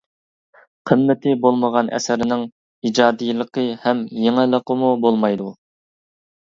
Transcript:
قىممىتى بولمىغان ئەسەرنىڭ ئىجادىيلىقى ھەم يېڭىلىقىمۇ بولمايدۇ.